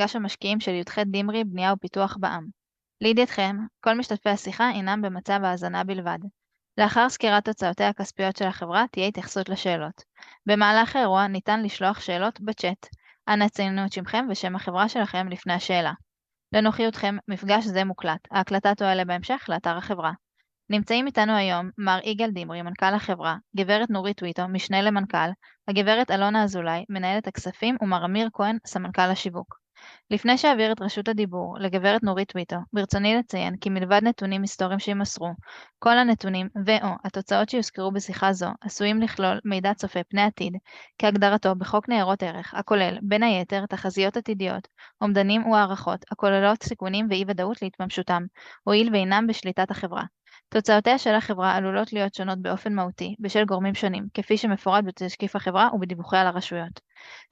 מפגש המשקיעים של י.ח. דמרי בניה ופיתוח בע"מ. לידיעתכם, כל משתתפי השיחה הינם במצב האזנה בלבד. לאחר סקירת תוצאותיה הכספיות של החברה תהיה התייחסות לשאלות. במהלך האירוע ניתן לשלוח שאלות בצ'אט. אנא ציינו את שמכם ושם החברה שלכם לפני השאלה. לנוחיותכם, מפגש זה מוקלט. ההקלטה תועלה בהמשך לאתר החברה. נמצאים איתנו היום מר יגאל דמרי, מנכ"ל החברה, גברת נורית ויטור, משנה למנכ"ל, הגברת אלונה אזולאי, מנהלת הכספים, ומר אמיר כהן, סמנכ"ל השיווק. לפני שאעביר את רשות הדיבור לגברת נורית ויטור, ברצוני לציין כי מלבד נתונים היסטוריים שיימסרו, כל הנתונים ו/או התוצאות שיוזכרו בשיחה זו עשויים לכלול מידע צופה פני עתיד כהגדרתו בחוק ניירות ערך, הכולל בין היתר תחזיות עתידיות, אומדנים או הערכות הכוללות סיכונים ואי וודאות להתממשותם, הואיל ואינם בשליטת החברה. תוצאותיה של החברה עלולות להיות שונות באופן מהותי בשל גורמים שונים, כפי שמפורט בתשקיף החברה ובדיווחיה לרשויות.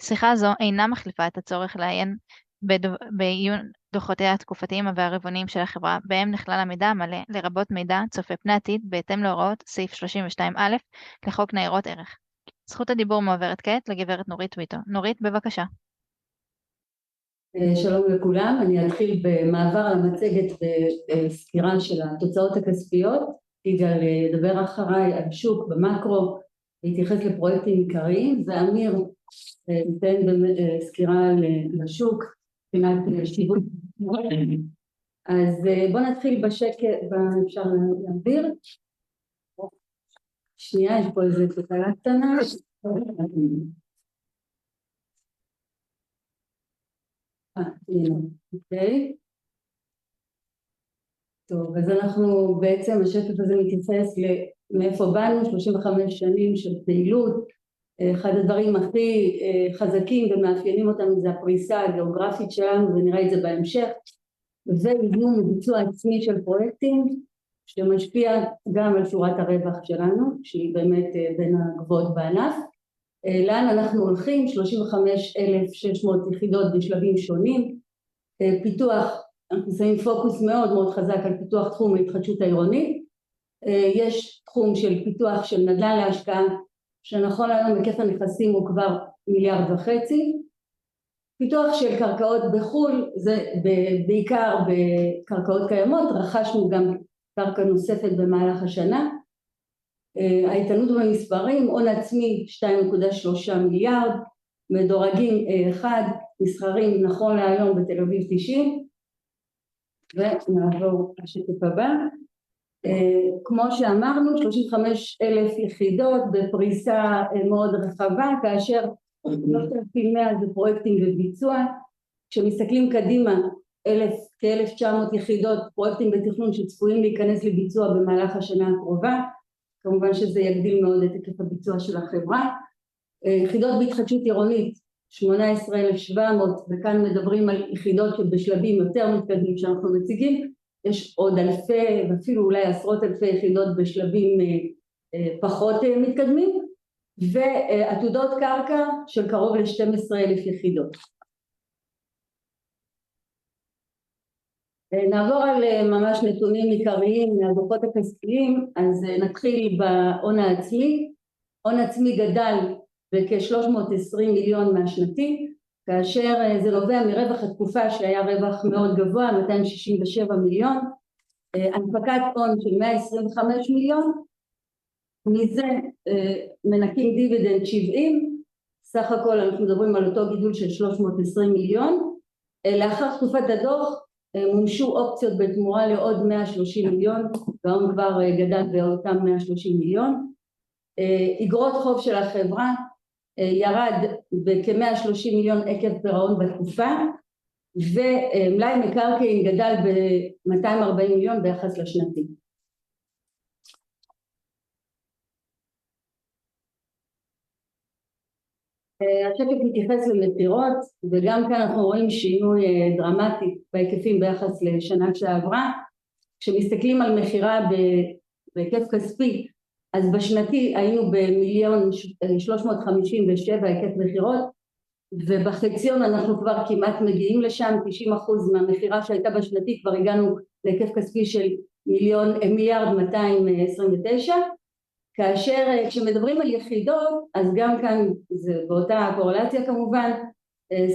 שיחה זו אינה מחליפה את הצורך לעיין בדוח, בעיון דוחותיה התקופתיים והרבעוניים של החברה, בהם נכלל המידע המלא, לרבות מידע צופה פני עתיד. בהתאם להוראות סעיף שלושים ושתיים א' לחוק ניירות ערך. זכות הדיבור מועברת כעת לגברת נורית ויטור. נורית, בבקשה. שלום לכולם. אני אתחיל במעבר על המצגת וסקירה של התוצאות הכספיות. יגאל ידבר אחריי על השוק במאקרו ויתייחס לפרויקטים עיקריים, ואמיר ייתן גם סקירה לשוק מבחינת שיווק. בואו נתחיל בשקף... אפשר להמשיך. יש פה איזו טעות קטנה. הנה. אוקיי. אנחנו בעצם השקף הזה מתייחס למאיפה באנו. שלושים וחמש שנים של פעילות. אחד הדברים הכי חזקים ומאפיינים אותנו זה הפריסה הגיאוגרפית שלנו, ונראה את זה בהמשך. זה מימון וביצוע עצמי של פרויקטים שמשפיע גם על שורת הרווח שלנו, שהיא באמת בין הגבוהות בענף. לאן אנחנו הולכים? שלושים וחמש אלף שש מאות יחידות בשלבים שונים. פיתוח. אנחנו שמים פוקוס מאוד, מאוד חזק על פיתוח תחום ההתחדשות העירונית. יש תחום של פיתוח, של נדל"ן להשקעה, שנכון להיום היקף הנכסים הוא כבר מיליארד וחצי. פיתוח של קרקעות בחו"ל, זה בעיקר בקרקעות קיימות. רכשנו גם קרקע נוספת במהלך השנה. האיתנות במספרים, הון עצמי שניים נקודה שלושה מיליארד. מדורגים אחד מסחריים נכון להיום בתל אביב תשיעי. ונעבור לשקף הבא. כמו שאמרנו, שלושים וחמישה אלף יחידות בפריסה מאוד רחבה, כאשר שלושת אלפים ומאה זה פרויקטים בביצוע. כשמסתכלים קדימה, אלף ותשע מאות יחידות, פרויקטים בתכנון שצפויים להיכנס לביצוע במהלך השנה הקרובה. כמובן שזה יגדיל מאוד את היקף הביצוע של החברה. יחידות בהתחדשות עירונית שמונה עשר אלף ושבע מאות, וכאן מדברים על יחידות שבשלבים יותר מתקדמים שאנחנו מציגים. יש עוד אלפי ואפילו אולי עשרות אלפי יחידות בשלבים פחות מתקדמים, ועתודות קרקע של קרוב לשתים עשרה אלף יחידות. נעבור על נתונים עיקריים מהדוחות הכספיים. נתחיל בהון העצמי. הון עצמי גדל בכשלוש מאות ועשרים מיליון מהשנתי, כאשר זה נובע מרווח התקופה, שהיה רווח מאוד גבוה, מאתיים שישים ושבעה מיליון. הנפקת הון של מאה עשרים וחמישה מיליון, מזה מנכים דיבידנד שבעים. סך הכל אנחנו מדברים על אותו גידול של שלוש מאות ועשרים מיליון. לאחר תקופת הדוח מומשו אופציות בתמורה לעוד ₪130 מיליון, וההון כבר גדל בעוד ₪130 מיליון. אגרות חוב של החברה ירדו ב-₪130 מיליון עקב פירעון בתקופה, ומלאי מקרקעין גדל ב-₪240 מיליון ביחס לשנתי. השקף מתייחס למכירות, וגם כאן אנחנו רואים שינוי דרמטי בהיקפים ביחס לשנה שעברה. כשמסתכלים על מכירה בהיקף כספי, אז בשנתי היינו ב-₪1.357 מיליארד היקף מכירות, ובחציון אנחנו כבר כמעט מגיעים לשם. 90% מהמכירה שהייתה בשנתי כבר הגענו להיקף כספי של ₪1.229 מיליארד, כאשר כשמדברים על יחידות אז גם כאן זה באותה קורלציה כמובן.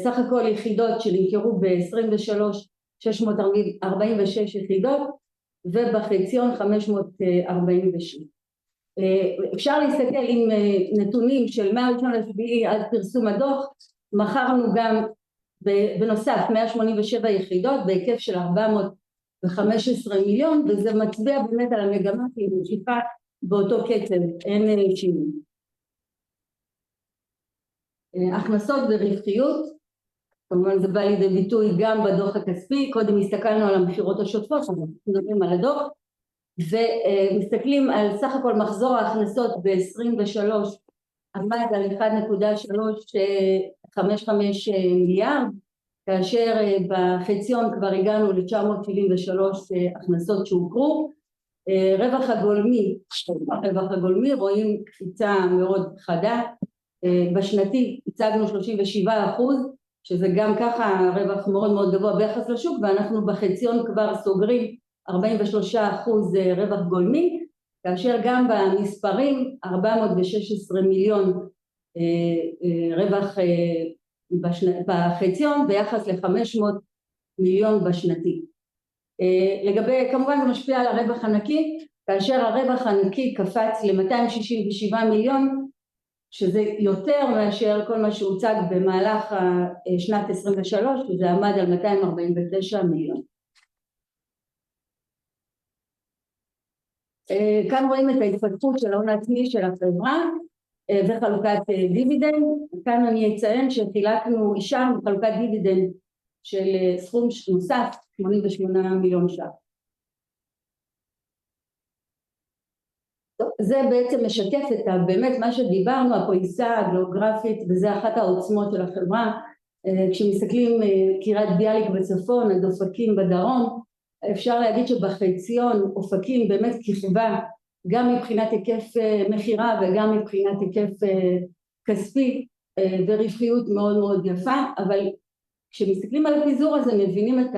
סך הכל יחידות שנמכרו ב-2023, 646 יחידות, ובחציון 547. אפשר להסתכל עם נתונים של 8 ביולי עד פרסום הדוח. מכרנו גם בנוסף 187 יחידות בהיקף של ₪415 מיליון, וזה מצביע באמת על המגמה שהיא ממשיכה באותו קצב, אין שינוי. הכנסות ורווחיות. כמובן, זה בא לידי ביטוי גם בדוח הכספי. קודם הסתכלנו על המכירות השוטפות, אנחנו מדברים על הדוח ומסתכלים על סך הכל מחזור ההכנסות בעשרים ושלוש עמד על ₪1.355 מיליארד, כאשר בחציון כבר הגענו לתשע מאות שבעים ושלוש הכנסות שהוכרו. רווח הגולמי, רווח הגולמי. רואים קפיצה מאוד חדה. בשנתי הצגנו 37%, שזה גם ככה רווח מאוד, מאוד גבוה ביחס לשוק, ואנחנו בחציון כבר סוגרים 43% רווח גולמי, כאשר גם במספרים ₪416 מיליון רווח בחציון ביחס ל₪500 מיליון בשנתי. לגבי, כמובן זה משפיע על הרווח הנקי, כאשר הרווח הנקי קפץ ל₪267 מיליון, שזה יותר מאשר כל מה שהוצג במהלך שנת עשרים ושלוש, שזה עמד על ₪249 מיליון. כאן רואים את ההתפתחות של ההון העצמי של החברה וחלוקת דיבידנד. כאן אני אציין שחילקנו אישרנו חלוקת דיבידנד של סכום נוסף ₪88 מיליון. זה בעצם משקף את באמת מה שדיברנו, הפעילות הגאוגרפית וזה אחת העוצמות של החברה. כשמסתכלים מקריית גליק בצפון עד אופקים בדרום, אפשר להגיד שבחציון אופקים באמת כיכבה גם מבחינת היקף מכירה וגם מבחינת היקף כספי ורווחיות. מאוד מאוד יפה, אבל כשמסתכלים על הפיזור הזה מבינים את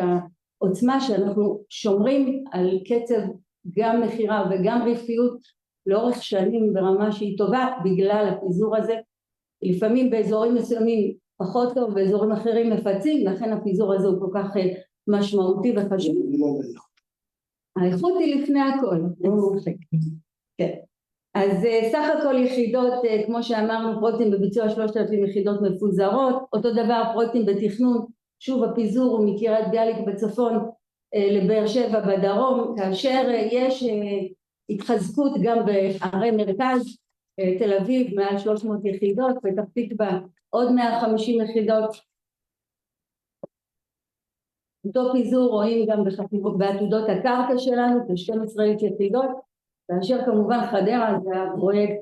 העוצמה, שאנחנו שומרים על קצב גם מכירה וגם רווחיות לאורך שנים ברמה שהיא טובה בגלל הפיזור הזה. לפעמים באזורים מסוימים פחות טוב ובאזורים אחרים מפציץ. לכן הפיזור הזה הוא כל כך משמעותי וחשוב. האיכות היא לפני הכל. אז סך הכל יחידות כמו שאמרנו, פרויקטים בביצוע שלושת אלפים יחידות מפוזרות. אותו דבר פרויקטים בתכנון. שוב, הפיזור הוא מקריית גליק בצפון לבאר שבע בדרום, כאשר יש התחזקות גם בערי מרכז תל אביב מעל שלוש מאות יחידות, פתח תקווה עוד מאה חמישים יחידות. אותו פיזור רואים גם בחתיכות באדמות הקרקע שלנו. כשתים עשרה אלף יחידות, כאשר כמובן חדרה זה פרויקט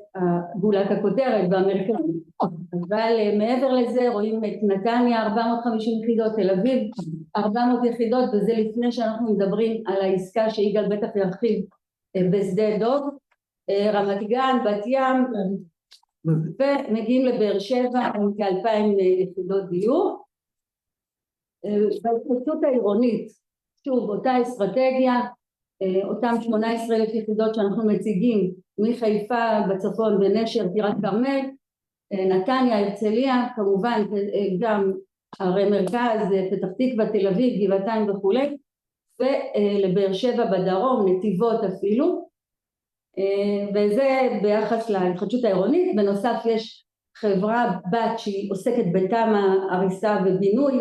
גולת הכותרת והמרכז. אבל מעבר לזה רואים את נתניה ארבע מאות חמישים יחידות, תל אביב ארבע מאות יחידות וזה לפני שאנחנו מדברים על העסקה שיגאל בטח ירחיב בשדה דוב, רמת גן, בת ים ומגיעים לבאר שבע עם כאלפיים יחידות דיור בהתחדשות העירונית. שוב אותה אסטרטגיה. אותם שמונה עשר אלף יחידות שאנחנו מציגים מחיפה בצפון זה נשר, קריית כרמל, נתניה, הרצליה, כמובן גם ערי מרכז, פתח תקווה, תל אביב, גבעתיים וכולי, ולבאר שבע בדרום, נתיבות אפילו. וזה ביחס להתחדשות העירונית. בנוסף, יש חברה בת שהיא עוסקת בתמ"א הריסה ופינוי.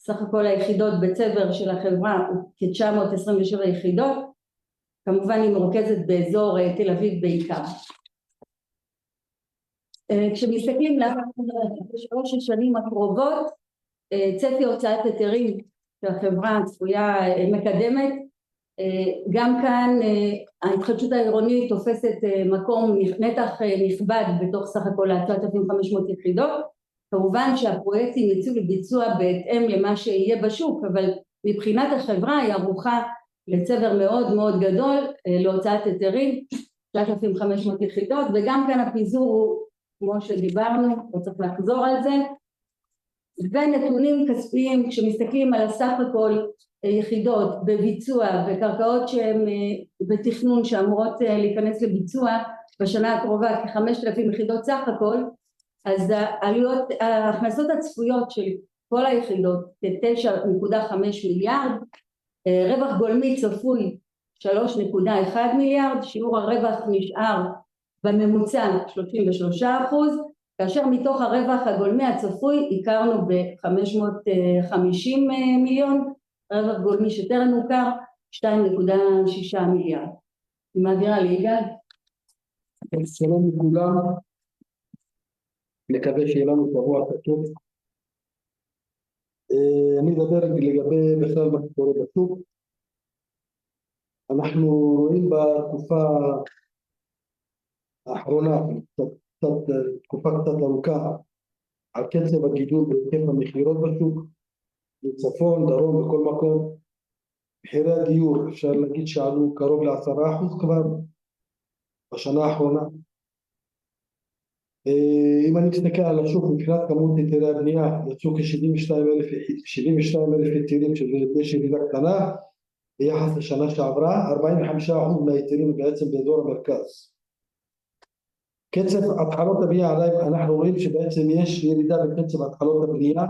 סך הכל היחידות בצבר של החברה כתשע מאות עשרים ושבע יחידות. כמובן, היא מרוכזת באזור תל אביב בעיקר. כשמסתכלים על השלוש השנים הקרובות, צפי הוצאת היתרים שהחברה צפויה מקדמת. גם כאן ההתחדשות העירונית תופסת מקום נכבד בתוך סך הכל התשע אלף חמש מאות יחידות. כמובן שהפרויקטים יצאו לביצוע בהתאם למה שיהיה בשוק, אבל מבחינת החברה היא ערוכה לצבר מאוד מאוד גדול להוצאת היתרים. שלושת אלפים חמש מאות יחידות וגם כאן הפיזור הוא כמו שדיברנו. לא צריך לחזור על זה. נתונים כספיים כשמסתכלים על סך הכל יחידות בביצוע וקרקעות שהן בתכנון, שאמורות להיכנס לביצוע בשנה הקרובה, כחמשת אלפים יחידות סך הכל. העלויות ההכנסות הצפויות של כל היחידות כ-9.5 מיליארד. רווח גולמי צפוי 3.1 מיליארד. שיעור הרווח נשאר בממוצע 33%, כאשר מתוך הרווח הגולמי הצפוי הכרנו ב-550 מיליון רווח גולמי שטרם מוכר. 2.6 מיליארד. מעבירה ליגאל. שלום לכולם. מקווה שיהיה לנו שבוע טוב. אני אדבר לגבי בכלל מה שקורה בשוק. אנחנו רואים בתקופה האחרונה תקופה ארוכה על קצב הגידול בקצב המכירות בשוק בצפון, דרום, בכל מקום. מחירי הדיור, אפשר להגיד שעלו קרוב ל-10% כבר בשנה האחרונה. אם אני מסתכל על השוק מבחינת כמות היתרי הבנייה, יצאו כ-72,000 היתרים, שזה ירידה קטנה ביחס לשנה שעברה. 45% מההיתרים בעצם באזור המרכז. קצב התחלות הבנייה אנחנו רואים שבעצם יש ירידה בקצב התחלות הבנייה.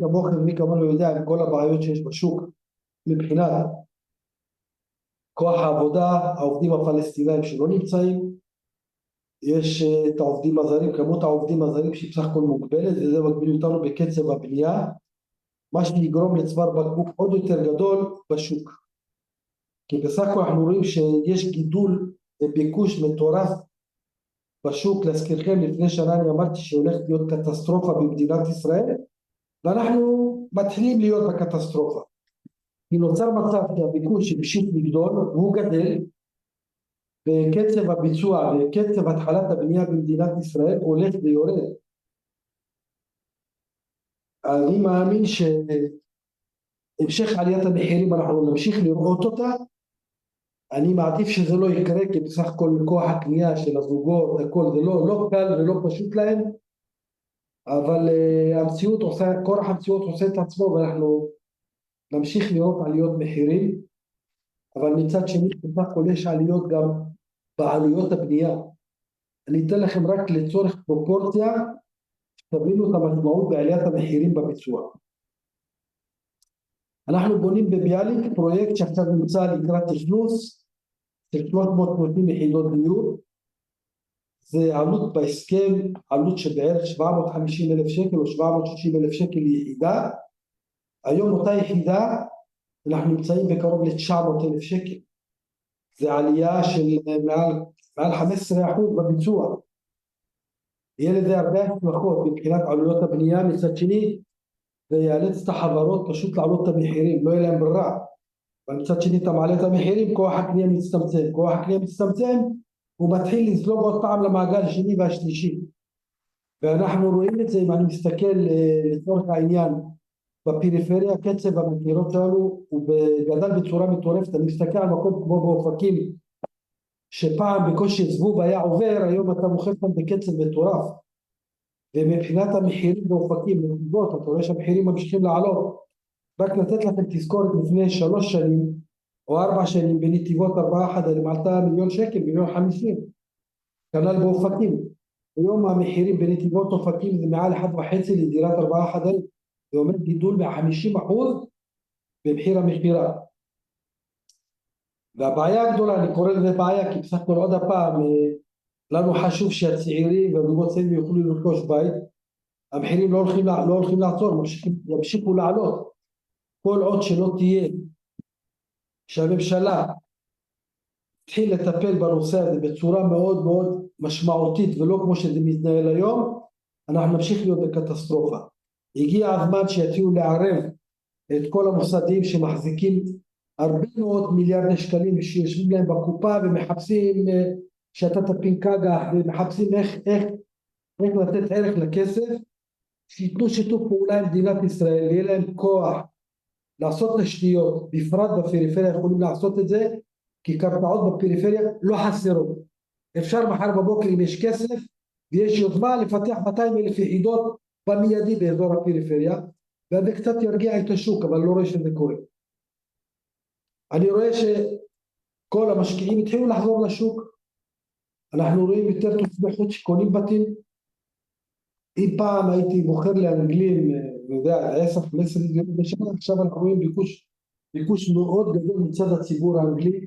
כמוכם, מי כמובן יודע על כל הבעיות שיש בשוק מבחינת כוח העבודה. העובדים הפלסטינאים שלא נמצאים. יש את העובדים הזרים, כמות העובדים הזרים שהיא בסך הכל מוגבלת, וזה מגביל אותנו בקצב הבנייה, מה שיגרום לצוואר בקבוק עוד יותר גדול בשוק, כי בסך הכל אנחנו רואים שיש גידול בביקוש מטורף בשוק. להזכירכם, לפני שנה אני אמרתי שהולכת להיות קטסטרופה במדינת ישראל ואנחנו מתחילים להיות בקטסטרופה. כי נוצר מצב שהביקוש שבשוק גדול והוא גדל, וקצב הביצוע וקצב התחלת הבנייה במדינת ישראל הולך ויורד. אני מאמין שהמשך עליית המחירים אנחנו נמשיך לראות אותה. אני מעדיף שזה לא יקרה, כי בסך הכל כוח הקנייה של הזוגות והכל זה לא קל ולא פשוט להם. המציאות עושה, כוח המציאות עושה את עצמו ואנחנו נמשיך לראות עליות מחירים. מצד שני, בסך הכל יש עליות גם בעלויות הבנייה. אני אתן לכם רק לצורך פרופורציה, שתבינו את המשמעות בעליית המחירים בביצוע. אנחנו בונים בביאליק פרויקט שעכשיו נמצא על סף האכלוס של כמעט מאות יחידות דיור. זה עלות בהסכם, עלות של בערך ₪750,000 או ₪760,000 ליחידה. היום אותה יחידה אנחנו נמצאים בקרוב ל-₪900,000. זו עלייה של מעל 15% בביצוע. יהיה לזה הרבה השלכות מבחינת עלויות הבנייה. מצד שני, זה ייאלץ את החברות פשוט להעלות את המחירים. לא יהיה להם ברירה. אבל מצד שני, אתה מעלה את המחירים, כוח הקנייה מצטמצם, כוח הקנייה מצטמצם, הוא מתחיל לזלוג עוד פעם למעגל השני והשלישי, ואנחנו רואים את זה. אם אני מסתכל לצורך העניין בפריפריה, הקצב במכירות שלנו הוא גדל בצורה מטורפת. אני מסתכל על מקומות כמו באופקים, שפעם בקושי זבוב היה עובר, היום אתה מוכר שם בקצב מטורף, ומבחינת המחירים באופקים, בנתיבות, אתה רואה שהמחירים ממשיכים לעלות. רק לתת לכם תזכורת. לפני שלוש שנים או ארבע שנים בנתיבות ארבע חדרים נמכרה ₪1 מיליון, ₪1.05 מיליון. כנ"ל באופקים. היום המחירים בנתיבות אופקים זה מעל ₪1.5 מיליון לדירת ארבע חדרים. זה אומר גידול של 50% במחיר הדירה. והבעיה הגדולה, אני קורא לזה בעיה, כי בסך הכל, עוד הפעם לנו חשוב שהצעירים והמבוגרים יוכלו לרכוש בית. המחירים לא הולכים לעצור, ממשיכים, ימשיכו לעלות. כל עוד שלא תהיה שהממשלה תתחיל לטפל בנושא הזה בצורה מאוד, מאוד משמעותית ולא כמו שזה מתנהל היום, אנחנו נמשיך להיות בקטסטרופה. הגיע הזמן שיתחילו לערב את כל המוסדיים שמחזיקים הרבה מאות מיליארדי שקלים שיושבים להם בקופה ומחפשים השקעות טובות, ומחפשים איך לתת ערך לכסף. שיתנו שיתוף פעולה עם מדינת ישראל ויהיה להם כוח לעשות פרויקטים, בפרט בפריפריה. יכולים לעשות את זה כי קרקעות בפריפריה לא חסרות. אפשר מחר בבוקר אם יש כסף ויש יוזמה, לפתח 200,000 יחידות במיידי באזור הפריפריה, וזה קצת ירגיע את השוק. אבל אני לא רואה שזה קורה. אני רואה שכל המשקיעים התחילו לחזור לשוק. אנחנו רואים יותר תושבים שקונים בתים. אם פעם הייתי מוכר לאנגלים עשר דירות בשנה, עכשיו אנחנו רואים ביקוש מאוד גדול מצד הציבור האנגלי.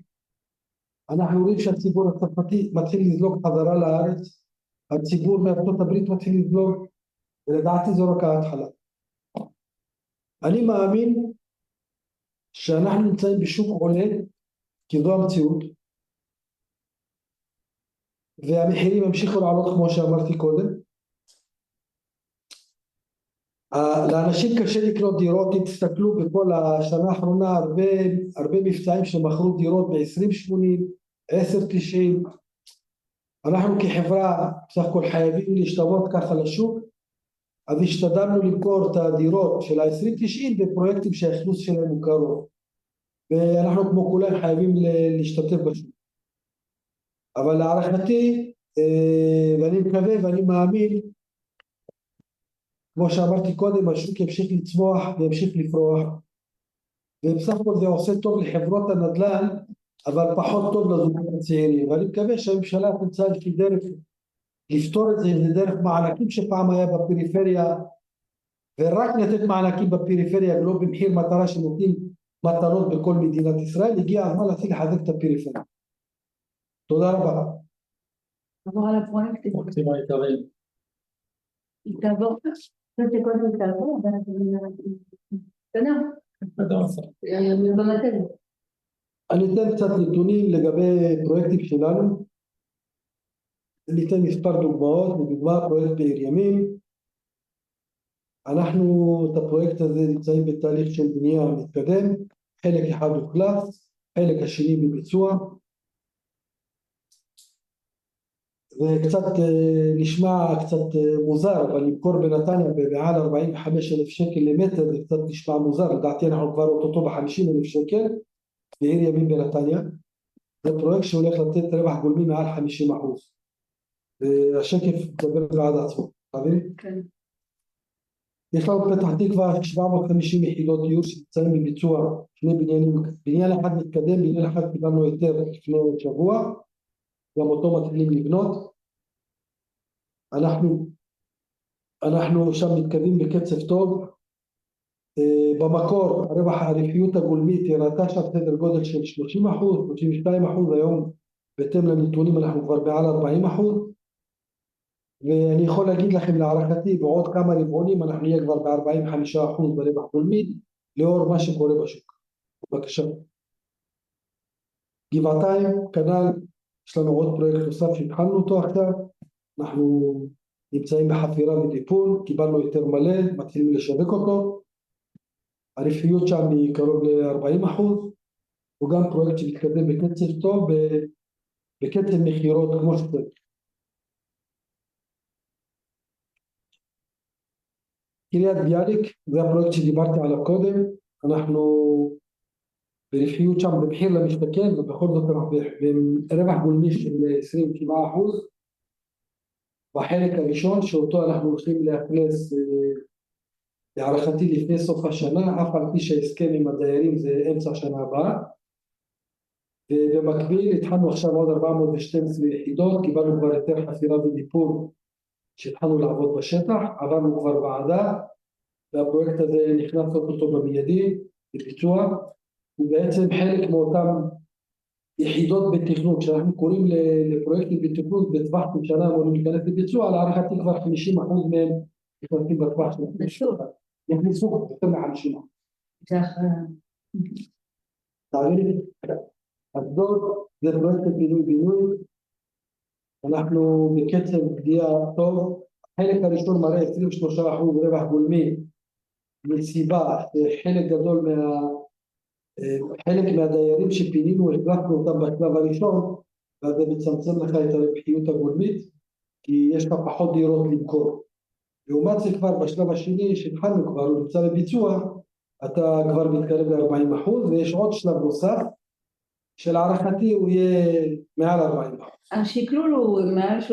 אנחנו רואים שהציבור הצרפתי מתחיל לזרום חזרה לארץ. הציבור מארצות הברית מתחיל לזרום ולדעתי זו רק ההתחלה. אני מאמין שאנחנו נמצאים בשוק עולה, כי זו המציאות. והמחירים ימשיכו לעלות כמו שאמרתי קודם. לאנשים קשה לקנות דירות. אם תסתכלו בכל השנה האחרונה הרבה, הרבה מבצעים שמכרו דירות בעשרים שמונה, עשר תשעים. אנחנו כחברה בסך הכל חייבים להשתלב ככה לשוק. אז השתדלנו למכור את הדירות של העשרים תשעים בפרויקטים שהאכלוס שלהם הוא קרוב, ואנחנו כמו כולם חייבים להשתתף בשוק. אבל להערכתי, ואני מקווה ואני מאמין, כמו שאמרתי קודם, השוק ימשיך לצמוח וימשיך לפרוח, ובסך הכל זה עושה טוב לחברות הנדל"ן, אבל פחות טוב לזוגות הצעירים. ואני מקווה שהממשלה תמצא איזושהי דרך לפתור את זה איזה דרך מענקים שפעם היה בפריפריה ורק לתת מענקים בפריפריה ולא במחיר מטרה שנותנים מטרות בכל מדינת ישראל. הגיע הזמן להשיג לחזק את הפריפריה. תודה רבה. עבור על הפרויקטים. הכי טוב. תעבור, קודם תעבור ואז... קטן. מה אתה עושה? זה בתלם. אני אתן קצת נתונים לגבי פרויקטים שלנו ואני אתן מספר דוגמאות. בדוגמה פרויקט בעיר ימים. אנחנו את הפרויקט הזה נמצאים בתהליך של בנייה מתקדם. חלק אחד הוכרז, החלק השני בביצוע. זה נשמע קצת מוזר, אבל למכור בנתניה מעל ₪45,000 למטר זה נשמע קצת מוזר. לדעתי אנחנו כבר אוטוטו ב-₪50,000. בעיר ימים בנתניה זה פרויקט שהולך לתת רווח גולמי מעל 50%, והשקף מדבר בעד עצמו. אתה מבין? כן. ניכר פתחתי כבר שבע מאות חמישים יחידות דיור שנמצאים בביצוע. שני בניינים, בניין אחד מתקדם, בניין אחד קיבלנו היתר לפני שבוע. גם אותו מתחילים לבנות. אנחנו שם מתקדמים בקצב טוב. במקור הרווח, הרווחיות הגולמית הראתה שם סדר גודל של 30%, 32%. היום, בהתאם לנתונים, אנחנו כבר מעל 40%, ואני יכול להגיד לכם, להערכתי בעוד כמה רבעונים אנחנו נהיה כבר ב-45% ברווח גולמי. לאור מה שקורה בשוק, בבקשה. גבעתיים. כנ"ל. יש לנו עוד פרויקט נוסף, התחלנו אותו עכשיו. אנחנו נמצאים בחפירה וטיפול. קיבלנו היתר מלא, מתחילים לשווק אותו. הרווחיות שם היא קרוב ל-40%. הוא גם פרויקט שמתקדם בקצב טוב ובקצב מכירות. אילת ביאליק, זה הפרויקט שדיברתי עליו קודם. אנחנו ברווחיות שם בבחינה משתקן, ובכל זאת אנחנו ברווח גולמי של עשרים וכמה אחוז. בחלק הראשון, שאותו אנחנו הולכים לאכלס להערכתי לפני סוף השנה, אף על פי שההסכם עם הדיירים זה אמצע השנה הבאה. ובמקביל התחלנו עכשיו עוד ארבע מאות ושתים עשרה יחידות. קיבלנו כבר היתר חפירה וניפור שהתחלנו לעבוד בשטח. עברנו כבר ועדה, והפרויקט הזה נכנס אוטוטו במיידי לביצוע. הוא בעצם חלק מאותן יחידות בתכנון. כשאנחנו קוראים לפרויקטים בתכנון בטווח של שנה אמורים להיכנס לביצוע, להערכתי כבר 50% מהם נכנסים בטווח של - נכנסו, נכנסו יותר מעשרים. ככה. תעבירי. אז זה פרויקט הפינוי בינוי. אנחנו בקצב גדילה טוב. החלק הראשון מראה 23% רווח גולמי מסיבה, חלק גדול מהדיירים שפינינו, החלפנו אותם בשלב הראשון, ואז זה מצמצם לך את הרווחיות הגולמית, כי יש לך פחות דירות למכור. לעומת זה, כבר בשלב השני שהתחלנו כבר הוא נמצא בביצוע. אתה כבר מתקרב ל-40% ויש עוד שלב נוסף שלהערכתי הוא יהיה מעל 40%. השיקלול הוא מעל 39%.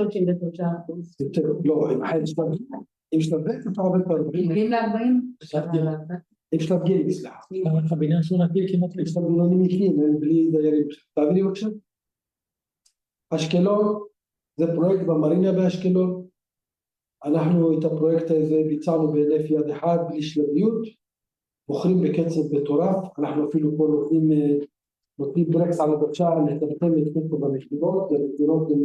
לא, עם השלב, עם שלב ב' זה כבר הרבה יותר. מגיע לארבעים? עם שלב ג', סליחה. הבניין שהוא נגמר כמעט- הם בלי דיירים. תעבירי בבקשה. אשקלון זה פרויקט במרינה באשקלון. אנחנו את הפרויקט הזה ביצענו בהינף יד אחד, בלי שלביות. מוכרים בקצב מטורף. אנחנו אפילו פה נותנים ברקס על הבקשה. אנחנו מנסים להאט פה במכירות, המכירות הם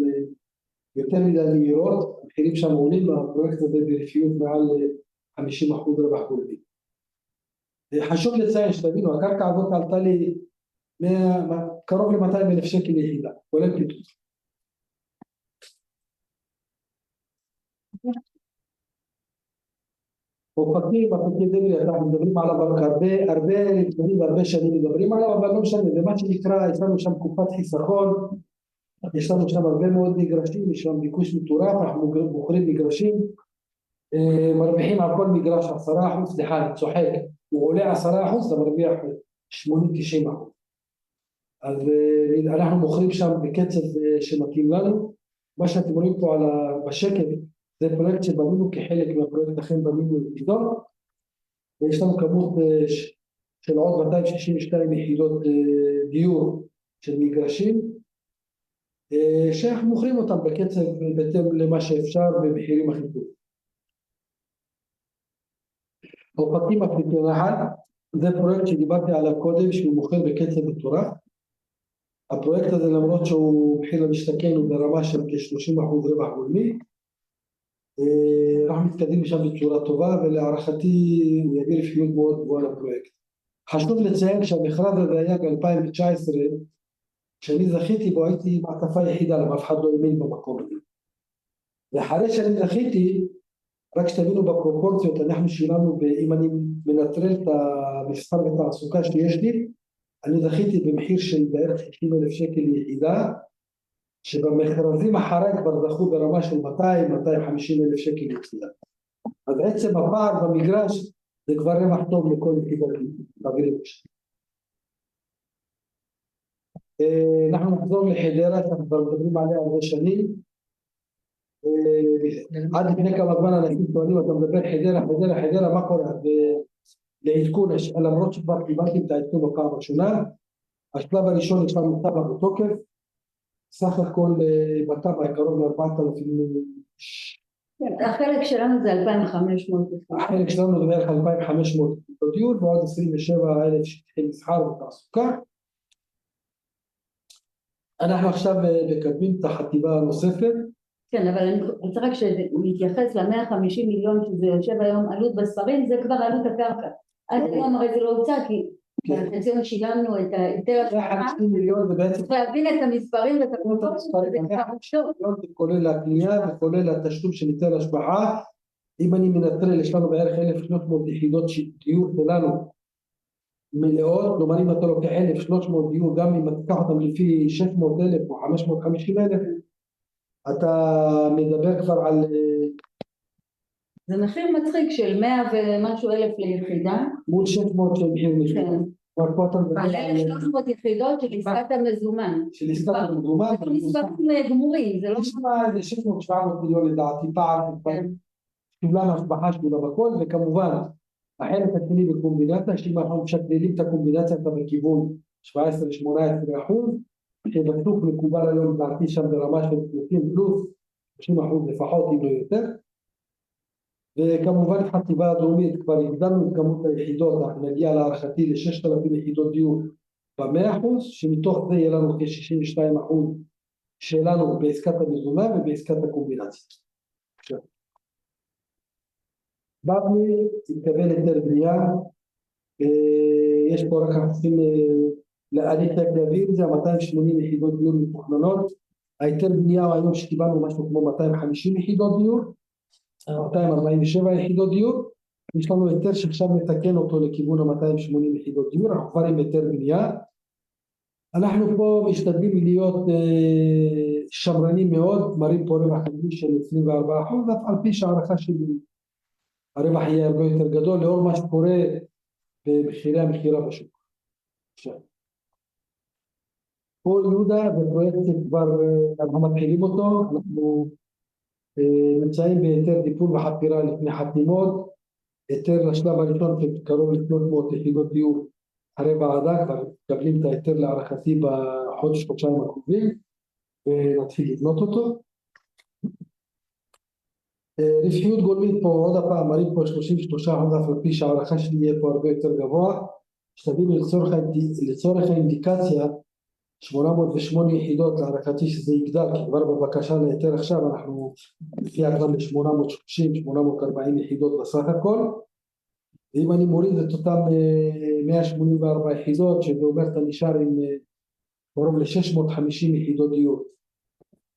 יותר מדי מהירות. המחירים שם עולים והפרויקט הזה ברווחיות מעל 50% רווח גולמי. חשוב לציין שתבינו, הקרקע הזאת עלתה לי ₪100,000, קרוב ל-₪200,000 ליחידה, כולל פינוי. אופקים, אופקים דלי, אנחנו מדברים על הרבה שנים והרבה שנים מדברים עליו, אבל לא משנה. זה מה שנקרא, יש לנו שם קופת חיסכון. יש לנו שם הרבה מאוד מגרשים, יש שם ביקוש מטורף. אנחנו מוכרים מגרשים, מרוויחים על כל מגרש 10%. אני צוחק. הוא עולה 10%, אתה מרוויח 80%, 90%. אז אנחנו מוכרים שם בקצב שמתאים לנו. מה שאתם רואים פה על השקף זה פרויקט שבנינו כחלק מהפרויקט חן בנימין בדרום, ויש לנו כמות של עוד 262 יחידות דיור של מגרשים, שאנחנו מוכרים אותם בקצב בהתאם למה שאפשר במחירים הכי טובים. אופקים, אופקים אחד. זה פרויקט שדיברתי עליו קודם, שהוא מוכר בקצב מטורף. הפרויקט הזה, למרות שהוא בחינה משתקן, הוא ברמה של כ-30% רווח גולמי. אנחנו מתקדמים שם בצורה טובה ולהערכתי הוא יביא רווחיות מאוד גבוהה לפרויקט. חשוב לציין שהמכרז הזה היה ב-2019, שאני זכיתי בו. הייתי ההצעה היחידה, אבל אף אחד לא האמין במקום הזה, ואחרי שאני זכיתי. רק שתבינו בפרופורציות, אנחנו שילמנו, ואם אני מנטרל את המשרד ותעסוקה שיש לי, אני זכיתי במחיר של בערך ₪50,000 ליחידה, שבמכרזים אחרי כבר זכו ברמה של ₪200,000-₪250,000 ליחידה. אז עצם הפער במגרש זה כבר רווח טוב לכל יחידה בבנייה. אנחנו נחזור לחדרה, שאנחנו כבר מדברים עליה הרבה שנים, ועד לפני כמה זמן אנשים שואלים אותם מדבר חדרה, חדרה, חדרה. מה קורה? לעדכון, למרות שכבר דיברתי את העדכון בפעם הראשונה. השלב הראשון עכשיו נכנס בתוקף. סך הכל בטבע קרוב לארבעת אלפים. החלק שלנו זה אלפיים חמש מאות. החלק שלנו זה בערך אלפיים חמש מאות יחידות דיור ועוד עשרים ושבע אלף שטחי מסחר ותעסוקה. אנחנו עכשיו מקדמים את החטיבה הנוספת. כן, אבל אני רוצה רק שנתייחס למאה חמישים מיליון ₪, שזה יושב היום עלות בספרים. זה כבר עלות הקרקע. עד היום הרי זה לא הוצא, כי בעצם שילמנו את היתר- מאה חמישים מיליון זה בעצם- צריך להביא את המספרים ואת המקורות. זה חשוב. זה כולל הקנייה וכולל התשלום שנצא להשבחה. אם אני מנטרל, יש לנו בערך 1,300 יחידות דיור שלנו מלאות. כלומר, אם אתה לוקח 1,300 דיור, גם אם אתה לוקח אותם לפי ₪600,000 או ₪550,000, אתה מדבר כבר על... זה מחיר מצחיק של מאה ומשהו אלף ליחידה. מול שש מאות של יחידה. כן, אבל פה אתה מדבר- על שלוש מאות יחידות של עסקת המזומן. של עסקת המזומן. מספר גמור, זה לא- יש שם איזה שש מאות, שבע מאות מיליון לדעתי, פער שכולל השבחה וכולל הכל. וכמובן החלק השני בקומבינציה, שאם אנחנו משקלילים את הקומבינציה אתה בכיוון 17%, 18%, שזה פלוס מקובל היום להעריך שם ברמה של 30% פלוס, 30% לפחות, אם לא יותר. וכמובן, החטיבה הדרומית. כבר הגדלנו את כמות היחידות. אנחנו נגיע להערכתי לשש אלף יחידות דיור ב-100%, שמתוך זה יהיה לנו כ-62% שלנו בעסקת המזומן ובעסקת הקומבינציה. באר שבע התקבל היתר בנייה ויש פה רק חצי להעריך את הגבירים. זה ה-280 יחידות דיור מתוכננות. היתר בנייה היום שקיבלנו משהו כמו 250 יחידות דיור, 247 יחידות דיור. יש לנו היתר שעכשיו מתקן אותו לכיוון ה-280 יחידות דיור. אנחנו כבר עם היתר בנייה. אנחנו פה משתדלים להיות שמרניים מאוד. מראים פה רווח נקי של 24%, על פי ההערכה שלי הרווח יהיה הרבה יותר גדול לאור מה שקורה במחירי המכירה בשוק. בואו יהודה, זה פרויקט שכבר אנחנו מתחילים אותו. אנחנו נמצאים בהיתר חפירה לפני חתימות. היתר לשלב הראשון זה קרוב לבנות פה יחידות דיור. הועדה מקבלת את ההיתר להערכתי בחודש חודשיים הקרובים ונתחיל לבנות אותו. רווחיות גולמית פה עוד הפעם מראים פה 33%, על פי ההערכה שלי יהיה פה הרבה יותר גבוה. שתבינו, לצורך האינדיקציה, 808 יחידות. להערכתי שזה יגדל, כי כבר בבקשה להיתר עכשיו אנחנו מגיעים כבר ל-830, 840 יחידות בסך הכל, ואם אני מוריד את אותם 184 יחידות, זה אומר אתה נשאר עם קרוב ל-650 יחידות דיור.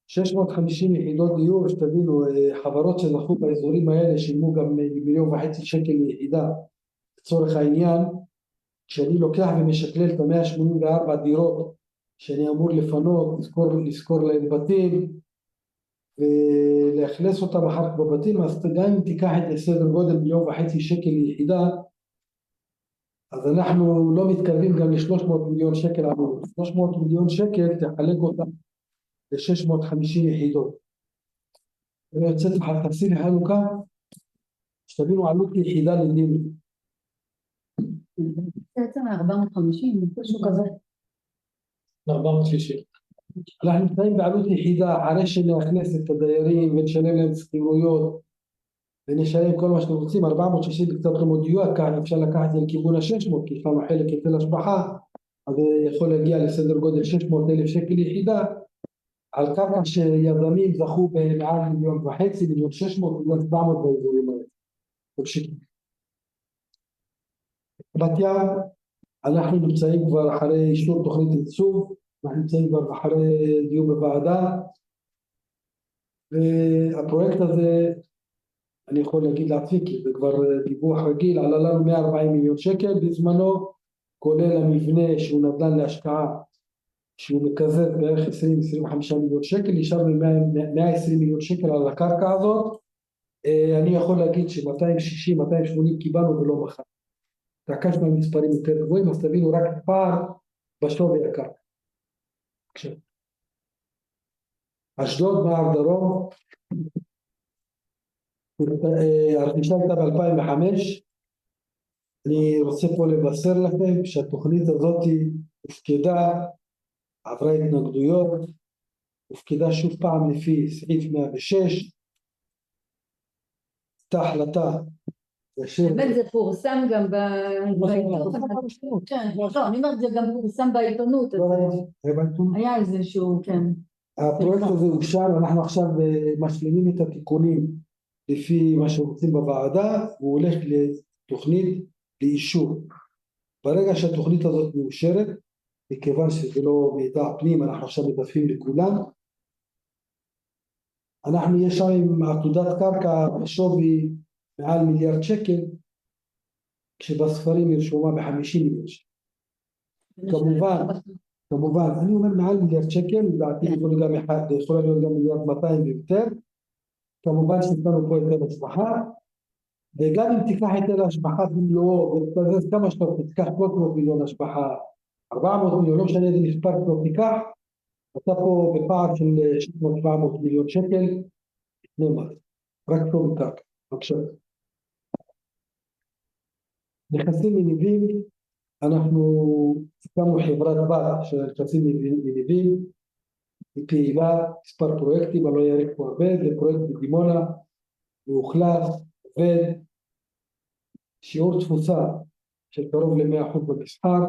650 יחידות דיור. שתבינו, חברות שזכו באזורים האלה שמו גם ₪1.5 מיליון ליחידה. לצורך העניין, כשאני לוקח ומשקלל את המאה שמונים וארבע דירות שאני אמור לפנות, לזכור, לשכור להם בתים ולאכלס אותם אחר כך בבתים. אז גם אם תיקח את סדר גודל מיליון וחצי שקל ליחידה, אז אנחנו לא מתקרבים גם לשלוש מאות מיליון שקל עמוד. שלוש מאות מיליון שקל תחלק אותם לשש מאות חמישים יחידות ויוצאת תעשי חלוקה. שתבינו עלות יחידה לדירה. זה יצא מ-450, משהו כזה. מ-460. אנחנו נמצאים בעלות יחידה. אחרי שנאכלס את הדיירים ונשלם להם שכירויות ונשלם כל מה שאנחנו רוצים, ₪460,000 ומשהו לא מדויק. כאן אפשר לקחת את זה לכיוון ה-₪600,000, כי חלק ייטול השבחה, אז זה יכול להגיע לסדר גודל של ₪600,000 ליחידה. על קרקע שיזמים זכו במעל ₪1.5 מיליון, ₪1.6 מיליון, ₪1.7 מיליון באזורים האלה. בבקשה. בת ים. אנחנו נמצאים כבר אחרי אישור תוכנית עיצוב. אנחנו נמצאים כבר אחרי דיון בוועדה והפרויקט הזה אני יכול להגיד להציג כי זה כבר דיווח רגיל. עלה לנו ₪140 מיליון בזמנו, כולל המבנה שהוא נדל"ן להשקעה, שהוא בערך ₪20-25 מיליון. נשאר לי ₪100-120 מיליון על הקרקע הזאת. אני יכול להגיד ש-₪260,000-280,000 קיבלנו ולא מכרנו. רק אשם המספרים יותר גבוהים. אז תבינו רק פער בשווי הקרקע. בבקשה. אשדוד באר דרום. הרכישה הייתה בשנת 2005. אני רוצה פה לבשר לכם שהתוכנית הזאת הופקדה, עברה התנגדויות, הופקדה שוב פעם לפי סעיף מאה ושש. נפתחה החלטה בשם. זה פורסם גם בעיתונות. כן, לא, אני אומרת זה גם פורסם בעיתונות. אז היה איזשהו כן. הפרויקט הזה אושר ואנחנו עכשיו משלימים את התיקונים לפי מה שרוצים בוועדה. הוא הולך לתוכנית לאישור. ברגע שהתוכנית הזאת מאושרת, מכיוון שזה לא ועדה פנים, אנחנו עכשיו מדווחים לכולם. אנחנו נשאר עם עתודת קרקע בשווי מעל מיליארד שקל, כשבספרים היא רשומה בחמישים מיליון שקל. כמובן, אני אומר מעל מיליארד שקל. לדעתי יכול להיות גם אחד. זה יכול להיות גם מיליארד מאתיים ויותר. כמובן שקיבלנו פה היתר השבחה, וגם אם תיקח היתר השבחה של מיליארד וכו', כמה שאת תיקח עוד מאות מיליון השבחה. ארבע מאות מיליון. לא משנה איזה מספר אתה תיקח, אתה פה בפער של שש מאות, שבע מאות מיליון שקל. נכסים וניבים. אנחנו הקמנו חברת בת של נכסים וניבים. היא קיימה מספר פרויקטים. אני לא אראה פה הרבה. זה פרויקט בדימונה מאוכלס ועובד. שיעור תפוצה של קרוב ל100% במסחר.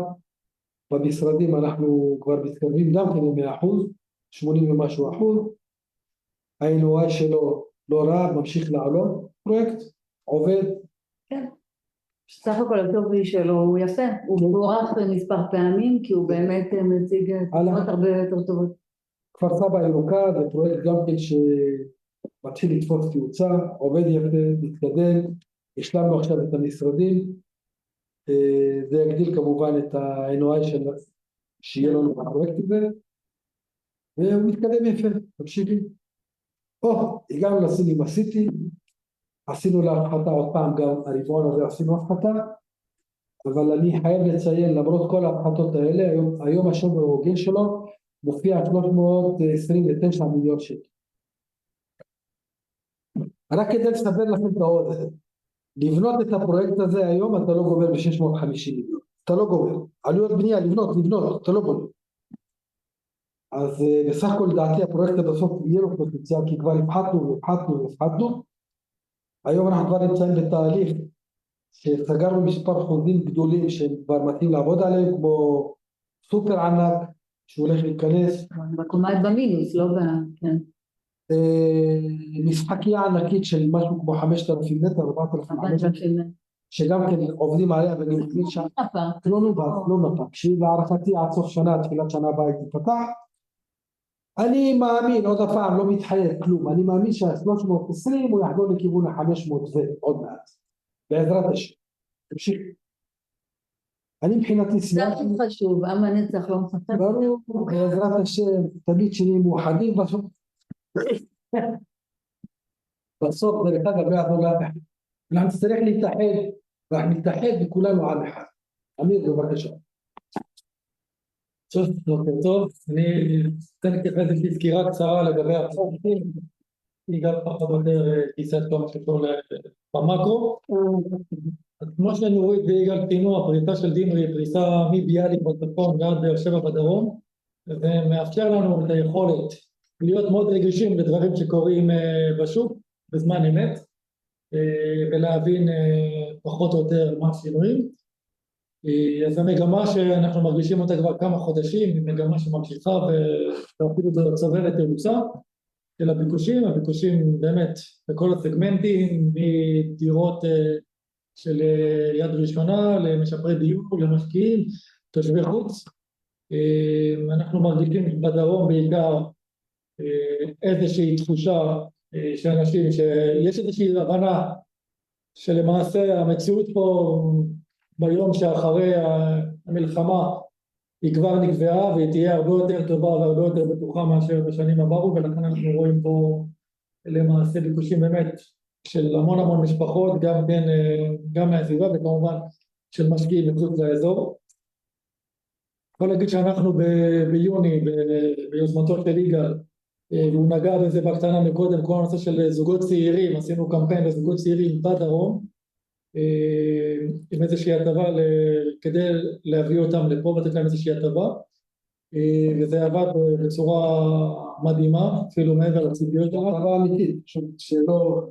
במשרדים אנחנו כבר מתקרבים גם קרוב ל100%. שמונים ומשהו אחוז. ה-NOI שלו לא רע, ממשיך לעלות. פרויקט עובד. כן, סך הכל התווי שלו הוא יפה. הוא פורח מספר פעמים כי הוא באמת מציג תוצאות הרבה יותר טובות. כפר סבא הירוקה זה פרויקט גם כן שמתחיל לתפוס תאוצה. עובד יפה, מתקדם. השלמנו עכשיו את המשרדים. זה יגדיל כמובן את ה-NOI שיהיה לנו בפרויקט הזה ומתקדם יפה. תמשיכי. או, הגענו לסיני סיטי. עשינו לה הפחתה עוד פעם. גם הרבעון הזה עשינו הפחתה, אבל אני חייב לציין למרות כל ההפחתות האלה, היום השווי ההוגן שלו מופיע על ₪629 מיליון. רק כדי לסבר לכם את האוזן, לבנות את הפרויקט הזה היום אתה לא גומר ב-₪650 מיליון. אתה לא גומר. עלויות בנייה, לבנות, לבנות. אתה לא בונה. אז בסך הכל, לדעתי הפרויקט הזה בסוף יהיה לו פוטנציאל, כי כבר הפחתנו והפחתנו והפחתנו. היום אנחנו כבר נמצאים בתהליך שסגרנו מספר חוזים גדולים שכבר מתחילים לעבוד עליהם, כמו סופר ענק שהולך להיכנס. בקומה את במינוס, לא ב... כן. משחקייה ענקית של משהו כמו חמשת אלפים מטר. אמרתי לכם שגם כן עובדים עליה ואני מקווה שלא נפל, לא נפל. להערכתי עד סוף שנה, תחילת שנה הבאה היא תיפתח. אני מאמין עוד הפעם, לא מתחייב כלום. אני מאמין שהשלוש מאות עשרים הוא יחזור לכיוון החמש מאות ועוד מעט, בעזרת השם. תמשיכי. אני מבחינתי סיימתי. זה הכי חשוב. עם הנצח לא מתחלקים. ברור, בעזרת השם, תגיד שנהיה מאוחדים בסוף. בסוף זה אחד הדברים גם אנחנו נצטרך להתאחד, ואנחנו נתאחד וכולנו עם אחד. אמיר, בבקשה. טוב, אני אתן ככה איזושהי סקירה קצרה לגבי הפרויקטים. היא גם פחות או יותר כיסוי טוב שיש לנו במקרו. אז כמו שאני רואה את יגאל, הפריסה של דינמי פריסה מבאליק בצפון עד באר שבע בדרום, זה מאפשר לנו את היכולת להיות מאוד רגישים לדברים שקורים בשוק בזמן אמת, ולהבין פחות או יותר מה קורה. זו מגמה שאנחנו מרגישים אותה כבר כמה חודשים, מגמה שממשיכה ואפילו צוברת תאוצה של הביקושים. הביקושים באמת לכל הסגמנטים מדירות של יד ראשונה למשפרי דיור, למשקיעים, תושבי חוץ. אנחנו מרגישים בדרום בעיקר איזושהי תחושה של אנשים, שיש איזושהי הבנה שלמעשה המציאות פה ביום שאחרי המלחמה היא כבר נקבעה, והיא תהיה הרבה יותר טובה והרבה יותר בטוחה מאשר בשנים עברו. לכן אנחנו רואים פה למעשה ביקושים באמת של המון המון משפחות, גם מהסביבה וכמובן של משקיעים מחוץ לאזור. בוא נגיד שאנחנו ביוני, ביוזמתו של יגאל, והוא נגע בזה בקטנה מקודם. כל הנושא של זוגות צעירים. עשינו קמפיין לזוגות צעירים בדרום, עם איזושהי הטבה כדי להביא אותם לפה ולתת להם איזושהי הטבה. וזה עבד בצורה מדהימה, אפילו מעבר לציפיות שלנו. הטבה אמיתית שלא...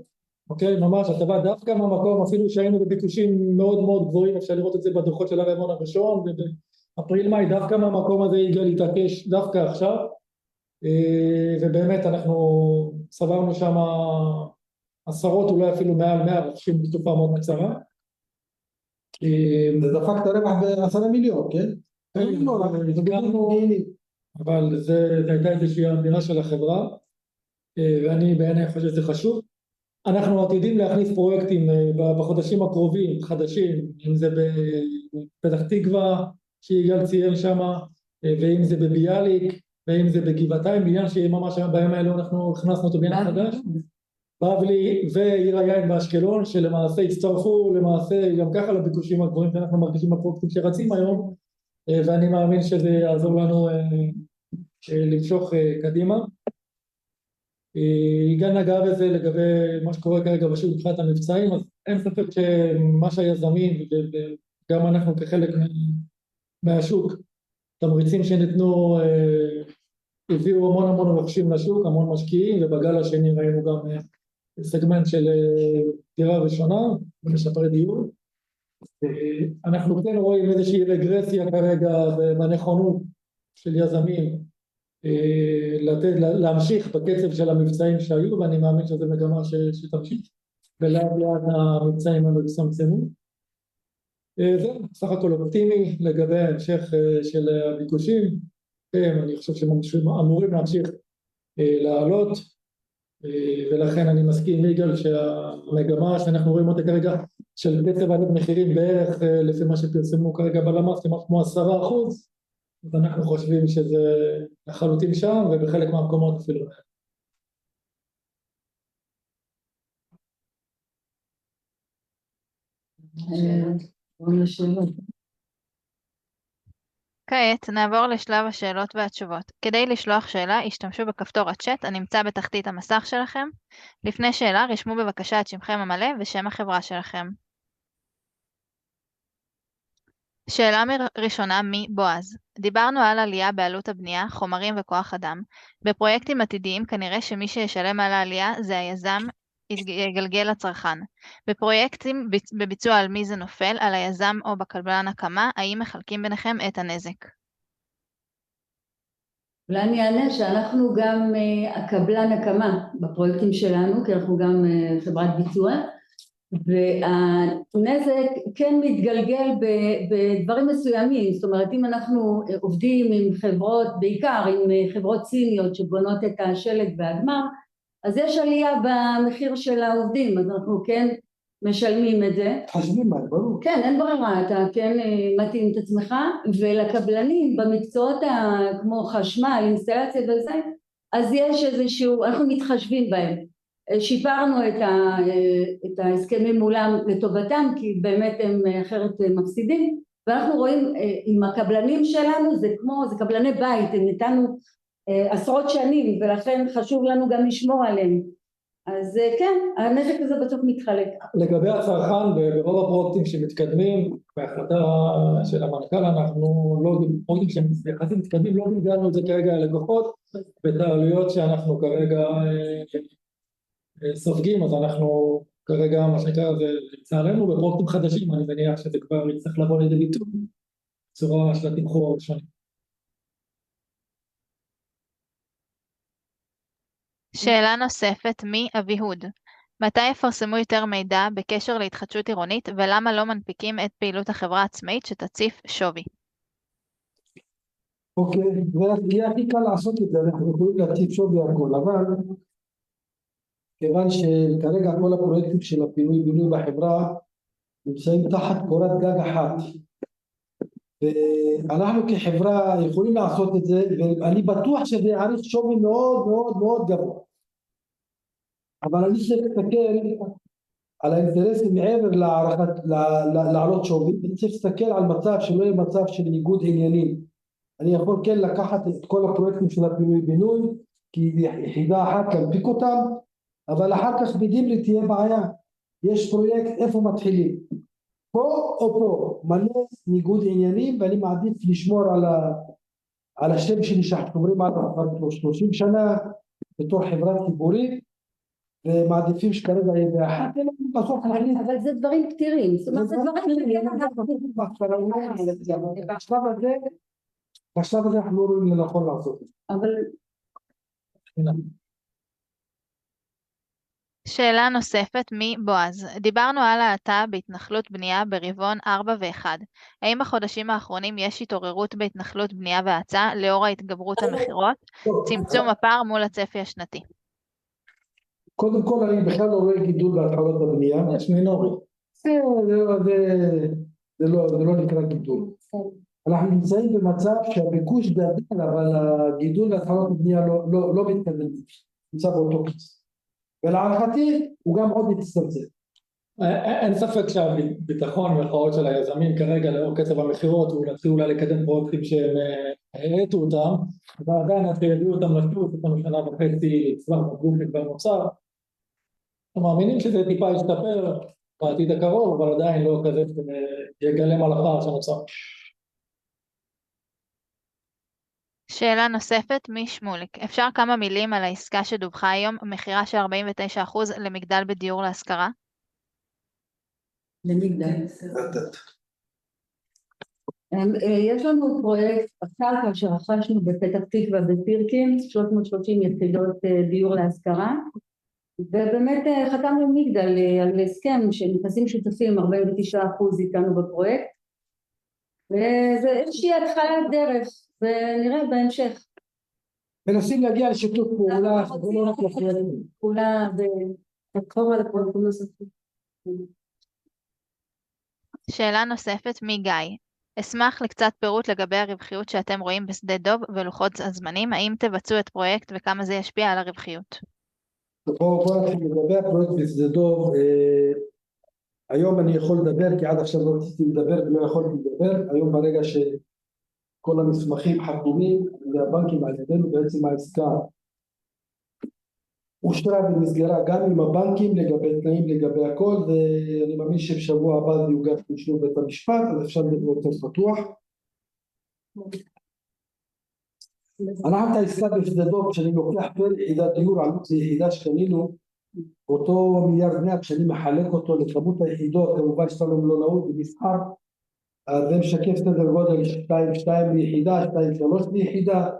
אוקיי, ממש הטבה דווקא מהמקום. אפילו שהיינו בביקושים מאוד, מאוד גבוהים, אפשר לראות את זה בדוחות של הרבעון הראשון ובאפריל מאי. דווקא מהמקום הזה, יגאל התעקש דווקא עכשיו, ובאמת אנחנו צברנו שם עשרות, אולי אפילו מעל מאה אנשים ברשימה מאוד קצרה. כי זה דפק את הרווח בעשרה מיליון, כן? אבל זו הייתה איזושהי אמירה של החברה, ואני בעיניי חושב שזה חשוב. אנחנו עתידים להכניס פרויקטים בחודשים הקרובים, חדשים, אם זה בפתח תקווה שיגאל ציין שם, ואם זה בביאליק ואם זה בגבעתיים, בניין שממש בימים האלו אנחנו הכנסנו את הבניין החדש, באבלי ועיר היין באשקלון, שלמעשה יצטרפו למעשה גם ככה לביקושים הגבוהים שאנחנו מרגישים בפרויקטים שרצים היום, ואני מאמין שזה יעזור לנו למשוך קדימה. יגאל נגע בזה לגבי מה שקורה כרגע בשוק של המבצעים, אז אין ספק שמה שהיזמים וגם אנחנו כחלק מהשוק, תמריצים שניתנו הביאו המון המון רוכשים לשוק, המון משקיעים, ובגל השני ראינו גם סגמנט של דירה ראשונה ומשפרי דיור. אנחנו כן רואים איזושהי רגרסיה כרגע במנה נכונות של יזמים לתת, להמשיך בקצב של המבצעים שהיו, ואני מאמין שזו מגמה שתמשיך ולאט לאט המבצעים האלה יצמצמו. זהו, סך הכל אופטימי לגבי ההמשך של הביקושים. אני חושב שהם אמורים להמשיך לעלות ולכן אני מסכים עם יגאל שהמגמה שאנחנו רואים אותה כרגע של קצב עליית המחירים, בערך לפי מה שפרסמו כרגע בלמאס, כמו 10%, אנחנו חושבים שזה לחלוטין שם ובחלק מהמקומות אפילו יותר. בואו לשאלות. כעת נעבור לשלב השאלות והתשובות. כדי לשלוח שאלה השתמשו בכפתור הצ'אט הנמצא בתחתית המסך שלכם. לפני שאלה רשמו בבקשה את שמכם המלא ושם החברה שלכם. שאלה ראשונה מבועז. דיברנו על עלייה בעלות הבנייה, חומרים וכוח אדם. בפרויקטים עתידיים כנראה שמי שישלם על העלייה זה היזם יגלגל לצרכן. בפרויקטים בביצוע, על מי זה נופל, על היזם או בקבלן הקמה? האם מחלקים ביניכם את הנזק? אולי אני אענה שאנחנו גם הקבלן הקמה בפרויקטים שלנו, כי אנחנו גם חברת ביצוע והנזק כן מתגלגל בדברים מסוימים. זאת אומרת, אם אנחנו עובדים עם חברות, בעיקר עם חברות סיניות שבונות את השלד והגמר, אז יש עלייה במחיר של העובדים. אז אנחנו כן משלמים את זה. מתחשבנים בה, ברור. כן, אין ברירה. אתה כן מתאים את עצמך. ולקבלנים במקצועות כמו חשמל, אינסטלציה וזה, אז יש איזשהו... אנחנו מתחשבנים בהם. שיפרנו את ההסכמים מולם לטובתם, כי באמת הם אחרת מפסידים. ואנחנו רואים עם הקבלנים שלנו זה כמו, זה קבלני בית, הם איתנו עשרות שנים ולכן חשוב לנו גם לשמור עליהם. אז כן, הנזק הזה בסוף מתחלק. לגבי הצרכן, ברוב הפרויקטים שמתקדמים בהחלטה של המנכ"ל, אנחנו לא, פרויקטים שיחסית מתקדמים, לא גילינו את זה כרגע ללקוחות ואת העלויות שאנחנו כרגע סופגים. אז אנחנו כרגע המצב זה לצערנו, בפרויקטים חדשים, אני מניח שזה כבר יצטרך לבוא לידי ביטוי בצורה של תמחור ראשוני. שאלה נוספת מאביהוד: מתי יפרסמו יותר מידע בקשר להתחדשות עירונית? ולמה לא מנפיקים את פעילות החברה העצמאית שתציף שווי? אוקיי, זה יהיה הכי קל לעשות את זה. אנחנו יכולים להציף שווי הכל, אבל כיוון שכרגע כל הפרויקטים של הפינוי בינוי בחברה נמצאים תחת קורת גג אחת, ואנחנו כחברה יכולים לעשות את זה, ואני בטוח שזה יעריך שווי מאוד, מאוד, מאוד גבוה. אבל אני צריך להסתכל על האינטרסים מעבר להערכת, להעלות שווי. צריך להסתכל על מצב שלא יהיה מצב של ניגוד עניינים. אני יכול כן לקחת את כל הפרויקטים של הפינוי בינוי כיחידה אחת, להנפיק אותם, אבל אחר כך בדימלי תהיה בעיה. יש פרויקט. איפה מתחילים? פה או פה? מלא ניגוד עניינים ואני מעדיף לשמור על השם שלי, שאנחנו מדברים על כבר שלושים שנה בתור חברה ציבורית ומעדיפים שכרגע יהיה אחד. בסוף הקליינט. אבל זה דברים פתירים. זאת אומרת, זה דברים פתירים. בשלב הזה, בשלב הזה אנחנו לא רואים לנכון לעשות את זה. אבל. שאלה נוספת מבועז. דיברנו על האטה בהתנחלות בנייה ברבעון הרביעי והראשון. האם בחודשים האחרונים יש התעוררות בהתנחלות בנייה והאצה לאור ההתגברות במכירות? צמצום הפער מול הצפי השנתי. קודם כל, אני בכלל לא רואה גידול בהתחלות הבנייה. זה מינורי. זה לא נקרא גידול. כן. אנחנו נמצאים במצב שהביקוש גדל, אבל הגידול בהתחלות הבנייה לא מתקדם. נמצא באותו מקום ולערכתי הוא גם עוד יצטמצם. אין ספק שהביטחון של היזמים כרגע לאור קצב המכירות, הוא להתחיל אולי לקדם פרויקטים שהם העלו אותם ועדיין הם יביאו אותם לשוק. עוד שנה וחצי הגוף כבר מוכן. אנחנו מאמינים שזה טיפה ישתפר בעתיד הקרוב, אבל עדיין לא כזה שיגלם הלחץ שנוצר. שאלה נוספת משמולק. אפשר כמה מילים על העסקה שדווחה היום? מכירה של 49% למגדל בדיור להשכרה. למגדל. יש לנו פרויקט אחד שרכשנו בפתח תקווה, בפירקין. שלוש מאות שלושים יחידות דיור להשכרה, ובאמת חתמנו עם מגדל על הסכם שהם נכנסים שותפים 49% איתנו בפרויקט, וזה איזושהי התחלת דרך ונראה בהמשך. מנסים להגיע לשיתוף פעולה, אנחנו לא נוכל. פעולה בקרוב לכל ה... שאלה נוספת מגי. אשמח לקצת פירוט לגבי הרווחיות שאתם רואים בשדה דוב ולוחות הזמנים. האם תבצעו את הפרויקט וכמה זה ישפיע על הרווחיות? בואו, בואו נתחיל לדבר. פרויקט בשדה דוב. היום אני יכול לדבר כי עד עכשיו לא רציתי לדבר ולא יכולתי לדבר. היום, ברגע שכל המסמכים חתומים וגם הבנקים על ידינו, בעצם העסקה אושרה ונסגרה גם עם הבנקים לגבי תנאים לגבי הכל, ואני מאמין שבשבוע הבא זה יוגש לבית המשפט, אז אפשר לדבר יותר פתוח. אנחנו את העסקה בשדה דוב, כשאני לוקח יחידת דיור, זה יחידה ששינינו אותה מיליארד מאות שאני מחלק אותו לכמות היחידות. כמובן שזה לא נאות במספר, אז זה משקף סדר גודל של ₪2.2 מיליון ליחידה, ₪2.3 מיליון ליחידה.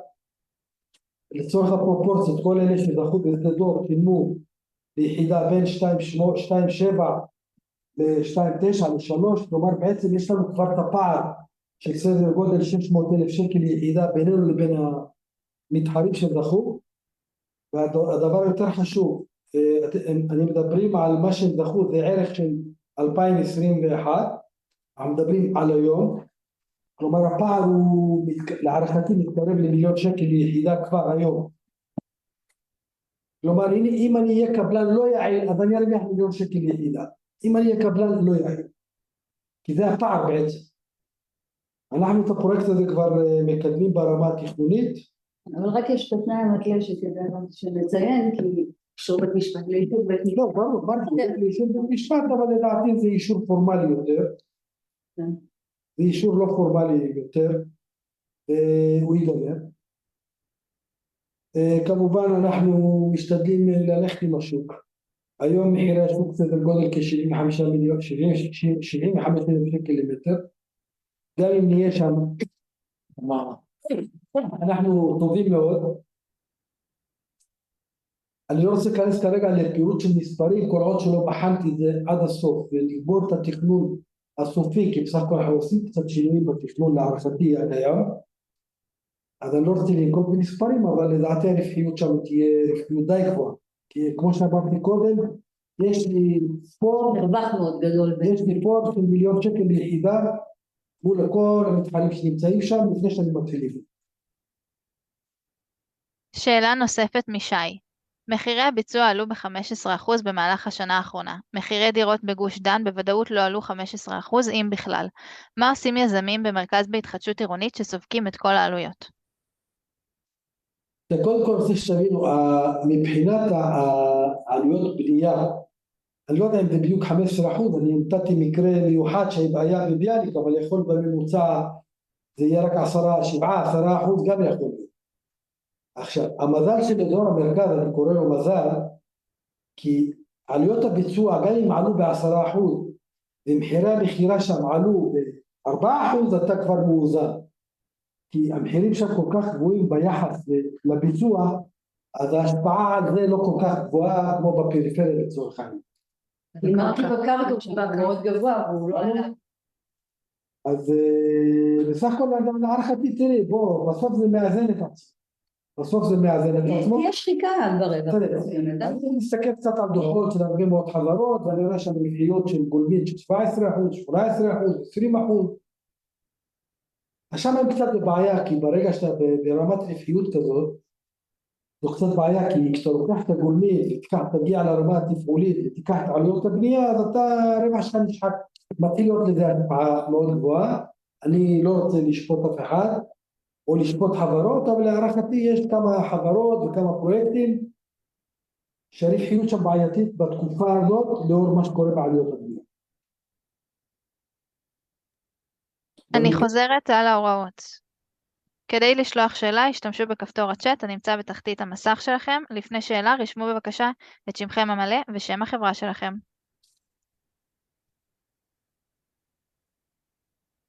לצורך הפרופורציה, כל אלה שזכו בשדה דוב קיבלו ביחידה בין ₪2.8 מיליון, ₪2.7 מיליון ל-₪2.9 מיליון עד ₪3 מיליון. כלומר, בעצם יש לנו כבר את הפער של סדר גודל של ₪600,000 ליחידה בינינו לבין המתחרים שזכו. והדבר החשוב יותר, אני מדבר על מה שהם זכו. זה ערך של 2021. אנחנו מדברים על היום. כלומר, הפער הוא להערכתי מתקרב למיליון שקל ליחידה כבר היום. כלומר, אם אני אהיה קבלן לא יעיל, אז אני ארוויח מיליון שקל ליחידה. אם אני אהיה קבלן לא יעיל, כי זה הפער בעצם. אנחנו את הפרויקט הזה כבר מקדמים ברמה התכנונית. אבל רק יש את התנאי המקדים שכדאי שנציין, כי קשור בית משפט לאישור. לא, ברור, ברור. אישור בית משפט, אבל לדעתי זה אישור פורמלי יותר. כן. זה אישור לא פורמלי יותר והוא ייגמר. כמובן, אנחנו משתדלים ללכת עם השוק. היום העירייה השקיעה סדר גודל של ₪75 מיליון. גם אם נהיה שם, כלומר, אנחנו טובים מאוד. אני לא רוצה להיכנס כרגע לפירוט של מספרים, קודם כל שלא בחנתי את זה עד הסוף ולגמור את התכנון הסופי, כי בסך הכל אנחנו עושים קצת שינויים בתכנון. להערכתי עד היום. אז אני לא רוצה לנקוט במספרים, אבל לדעתי הרווחיות שם תהיה די גבוהה, כי כמו שאמרתי קודם, יש לי פה. רווח מאוד גדול. יש לי פה חצי מיליון ₪ ליחידה מול כל המתחרים שנמצאים שם לפני שאני מתחיל. שאלה נוספת משי. מחירי הביצוע עלו ב-15% במהלך השנה האחרונה. מחירי דירות בגוש דן בוודאות לא עלו 15%, אם בכלל. מה עושים יזמים במרכז בהתחדשות עירונית שסופגים את כל העלויות? תראה, קודם כל צריך שתבין, מבחינת עלויות הבנייה אני לא יודע אם זה בדיוק 15%. אני נתתי מקרה מיוחד שהיה ביניק, אבל יכול בממוצע זה יהיה רק 10%, 7%, 10%. גם יכול להיות. עכשיו המזל שבדרום המרכז, אני קורא לו מזל, כי עלויות הביצוע, גם אם עלו ב-10% ומחירי המכירה שם עלו ב-4%, אתה כבר מאוזן, כי המחירים שם כל כך גבוהים ביחס לביצוע, אז ההשפעה על זה לא כל כך גבוהה כמו בפריפריה לצורך העניין. אמרתי בקריית אושבע מאוד גבוה והוא לא עלה. אז בסך הכל להערכתי תראי, בוא בסוף זה מאזן את עצמו. בסוף זה מאזן את עצמו. כי יש שקיעה כבר ב. בוא נסתכל קצת על דוחות של כמה חברות ואני רואה שם רווחיות של גולמי של 17%, 18%, 20%. עכשיו הם קצת בבעיה, כי ברגע שאתה ברמת רווחיות כזאת, זה קצת בעיה, כי כשאתה לוקח את הגולמי ותגיע לרמה תפעולית ותיקח את עלויות הבנייה, אז הרווח שם מתחיל להיות לזה השפעה מאוד גבוהה. אני לא רוצה לשפוט אף אחד או לשפוט חברות, אבל להערכתי יש כמה חברות וכמה פרויקטים שהרווחיות שם בעייתית בתקופה הזאת, לאור מה שקורה בעלויות הבנייה. אני חוזרת על ההוראות. כדי לשלוח שאלה השתמשו בכפתור הצ'אט הנמצא בתחתית המסך שלכם. לפני שאלה רשמו בבקשה את שמכם המלא ושם החברה שלכם.